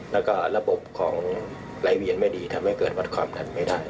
แล้วก็ระบบของไหลเวียนไม่ดีทำให้เกิดวัดความดันไม่ได้